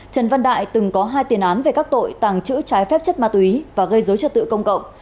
trần văn đại từng có hai tiền án về các tội tàng trữ trái phép chất ma túy và gây dối trật tự công cộng